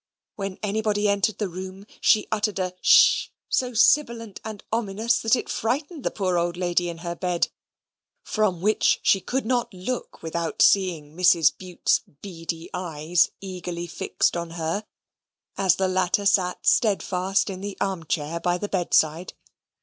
When anybody entered the room, she uttered a shshshsh so sibilant and ominous, that it frightened the poor old lady in her bed, from which she could not look without seeing Mrs. Bute's beady eyes eagerly fixed on her, as the latter sate steadfast in the arm chair by the bedside.